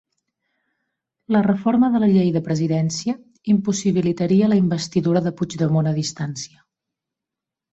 La reforma de la llei de presidència impossibilitaria la investidura de Puigdemont a distància